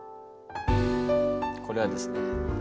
これはですね